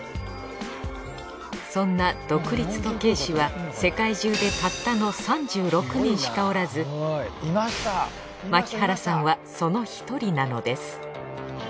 そんな独立時計師は世界中でたったの３６人しかおらず牧原さんはその１人なのです。